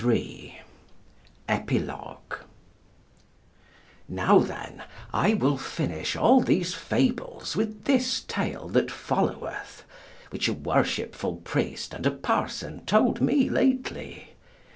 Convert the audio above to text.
(1483) EPILOGUE Now then I will finish all these fables with this tale that followeth, which a worshipful priest and a parson told me lately.